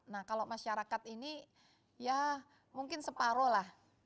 nah kalau masyarakat ini ya mungkin separuh lah